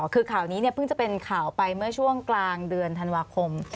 คือข่าวนี้เพิ่งจะเป็นข่าวไปเมื่อช่วงกลางเดือนธันวาคม